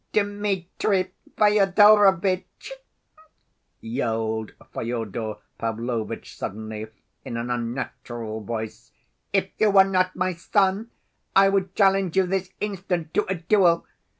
"Dmitri Fyodorovitch," yelled Fyodor Pavlovitch suddenly, in an unnatural voice, "if you were not my son I would challenge you this instant to a duel